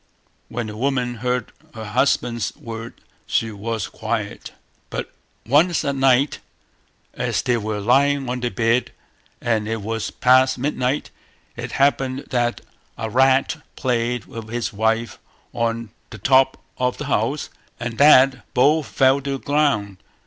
When the woman heard her husband's word she was quiet. But once at night, as they were lying on their bed, and it was past midnight, it happened that a rat played with his wife on the top of the house and that both fell to the ground.